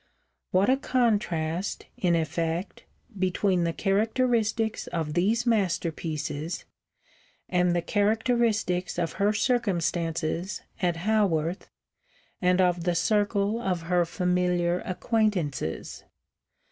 _ What a contrast, in effect, between the characteristics of these masterpieces and the characteristics of her circumstances at Haworth and of the circle of her familiar acquaintances!